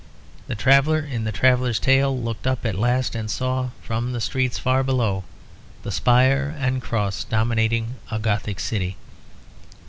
The traveller in the traveller's tale looked up at last and saw, from the streets far below, the spire and cross dominating a Gothic city.